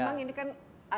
memang ini kan ikonnya